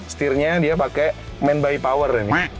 steernya dia pakai man by power